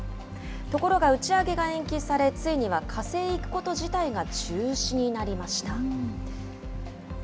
ところが打ち上げが延期され、ついには火星へ行くこと自体が中止になりました。